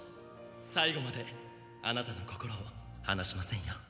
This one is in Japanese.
最後まであなたの心を離しませんよ。